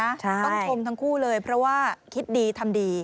ต้องชมทั้งคู่เลยเพราะว่าคิดดีทำดี